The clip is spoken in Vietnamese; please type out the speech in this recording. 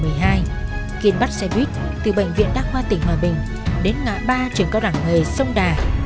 ngày một mươi sáu tháng một năm hai nghìn một mươi hai kiên bắt xe buýt từ bệnh viện đắc khoa tỉnh hòa bình đến ngã ba trường cao đảng hề sông đà